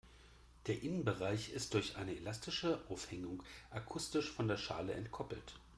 Der Innenbereich ist durch eine elastische Aufhängung akustisch von der Schale entkoppelt.